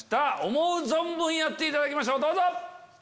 思う存分やっていただきましょうどうぞ。